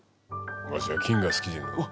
わしは金が好きじゃからのう。